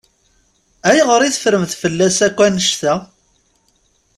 Ayɣer i teffremt fell-as akk annect-a?